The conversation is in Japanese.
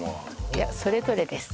いやそれぞれです